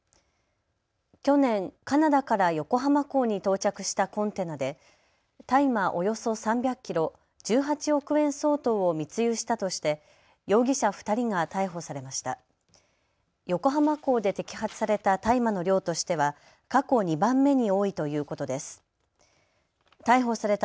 去年カナダから横浜港に到着したコンテナで大麻およそ３００キロ１８億円相当を密輸したとして容疑者２人が逮捕されました。